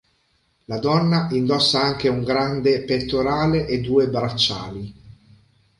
La donna indossa anche un grande pettorale e due bracciali.